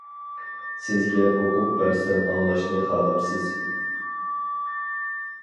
سىزگە ئوقۇپ بەرسەم ئاڭلاشنى خالامسىز.